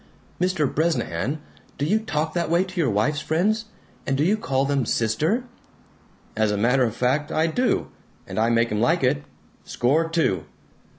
"Mr. Bresnahan, do you talk that way to your wife's friends? And do you call them 'sister'?" "As a matter of fact, I do! And I make 'em like it. Score two!"